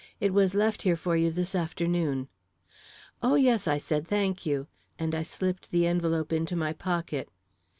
"It was left here for you this afternoon." "Oh, yes," I said; "thank you," and I slipped the envelope into my pocket.